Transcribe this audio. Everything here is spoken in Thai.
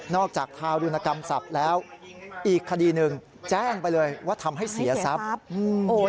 จากทารุณกรรมศัพท์แล้วอีกคดีหนึ่งแจ้งไปเลยว่าทำให้เสียทรัพย์